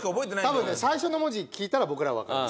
多分ね最初の文字聞いたら僕らはわかる。